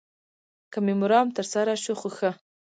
که مې مرام تر سره شو خو ښه.